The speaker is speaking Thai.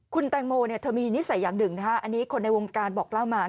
คุณแตงโมเธอมีนิสัยอย่างหนึ่งอันนี้คนในวงการบอกเล่ามา